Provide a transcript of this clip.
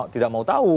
tidak mau tahu